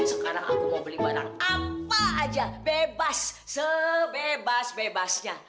sekarang aku mau beli barang apa aja bebas sebebas bebasnya